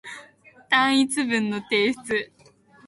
単一文の提出